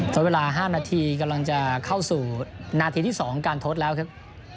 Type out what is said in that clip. ใช้เวลา๕นาทีกำลังจะเข้าสู่นาทีที่๒การทดแล้วครับ